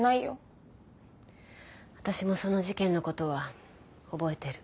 私もその事件の事は覚えてる。